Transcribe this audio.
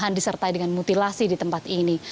dan disertai dengan mutilasi di tempat ini